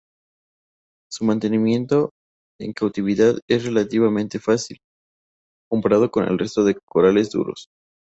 Su mantenimiento en cautividad es relativamente fácil, comparado con el resto de corales duros.